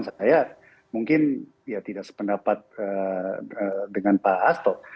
saya mungkin ya tidak sependapat dengan pak hasto